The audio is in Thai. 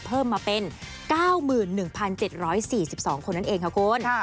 เพิ่มมาเป็นเก้าหมื่นหนึ่งพันเจ็ดร้อยสี่สิบสองคนนั่นเองค่ะคุณ